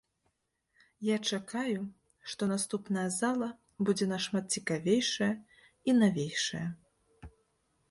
Я чакаю, што наступная зала будзе нашмат цікавейшая і навейшая.